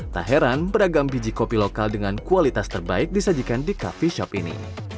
tak heran beragam biji kopi lokal dengan kualitas terbaik disajikan di coffee shop ini